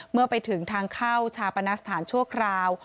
เมื่อไปถึงทางเข้าชาปนสถานชั่วคราว